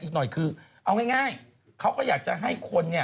ไม่เขาก็อยากจะให้คนเนี่ย